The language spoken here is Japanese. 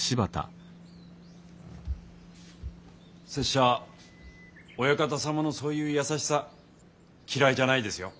拙者オヤカタ様のそういう優しさ嫌いじゃないですよ。